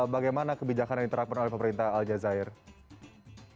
bagaimana kebijakan yang diterapkan oleh pemerintah al jazeera